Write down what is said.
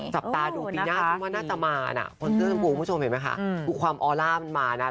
จับตาดูปีหน้าที่วันน่าจะมานะ